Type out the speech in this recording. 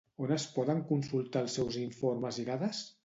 On es poden consultar els seus informes i dades?